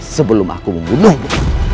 sebelum aku membunuhmu